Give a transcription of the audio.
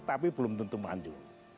tapi belum tentu maju